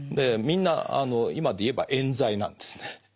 みんな今でいえばえん罪なんですね。